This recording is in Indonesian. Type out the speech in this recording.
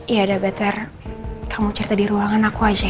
ya udah better kamu cerita di ruangan aku aja ya